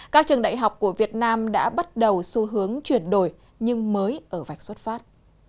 các trường đại học của việt nam đã bắt đầu xu hướng chuyển đổi nhưng mới ở vạch xuất phát